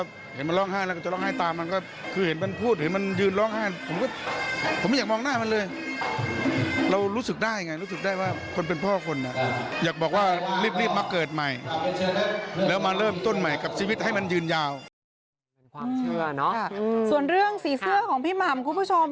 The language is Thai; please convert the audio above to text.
ส่วนเรื่องสีเสื้อของพี่หม่ำคุณผู้ชม